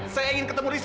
saya ingin ketemu rizky